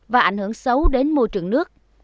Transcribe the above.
và ảnh hưởng xấu đến môi trường nước